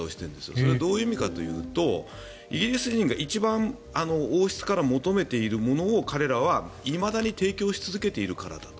それはどういう意味かというとイギリス人が一番王室から求めているものを彼らはいまだに提供し続けているからだと。